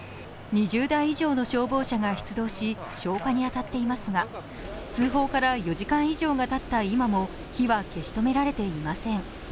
２０台以上の消防車が出動し消火に当たっていますが通報から４時間以上がたった今も火は消し止められていません。